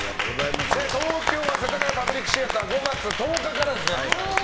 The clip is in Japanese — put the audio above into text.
東京は世田谷パブリックシアター５月１０日からです。